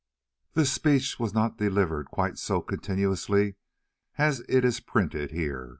This speech was not delivered quite so continuously as it is printed here.